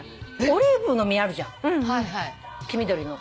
オリーブの実あるじゃん黄緑の。